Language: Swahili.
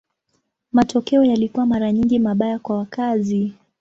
Matokeo yalikuwa mara nyingi mabaya kwa wakazi.